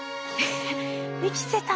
生きてた。